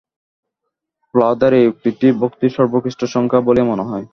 প্রহ্লাদের এই উক্তিটিই ভক্তির সর্বোকৃষ্ট সংজ্ঞা বলিয়া মনে হয়।